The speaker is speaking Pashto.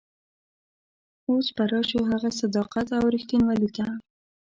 اوس به راشو هغه صداقت او رښتینولي ته.